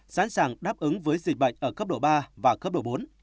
sẵn sàng đáp ứng với dịch bệnh ở cấp độ ba và cấp độ bốn